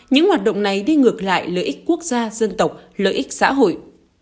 những hoạt động này đi ngược lại lợi ích quốc gia dân tộc lợi ích xã hội